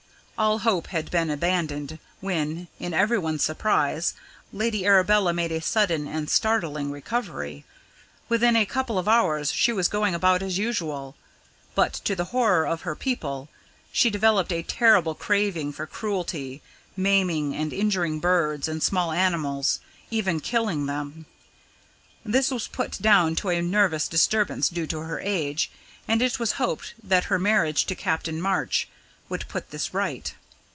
All hope had been abandoned, when, to everyone's surprise, Lady Arabella made a sudden and startling recovery. Within a couple of days she was going about as usual! But to the horror of her people, she developed a terrible craving for cruelty, maiming and injuring birds and small animals even killing them. This was put down to a nervous disturbance due to her age, and it was hoped that her marriage to Captain March would put this right.